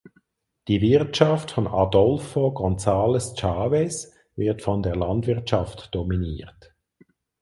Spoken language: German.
Die Wirtschaft von Adolfo Gonzales Chaves wird von der Landwirtschaft dominiert.